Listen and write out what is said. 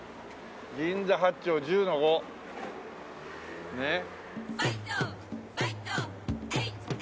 「銀座八丁目１０−５」ねえ。